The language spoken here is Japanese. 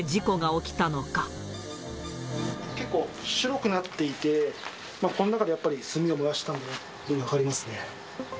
結構白くなっていて、この中でやっぱり、炭を燃やしたんだなっていうのが分かりますね。